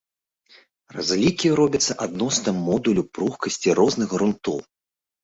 Разлікі робяцца адносна модуля пругкасці розных грунтоў.